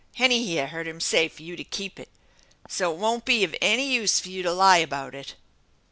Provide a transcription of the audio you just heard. Hennie here heard him say for you to keep it. So it won't be of any use for you to lie about it."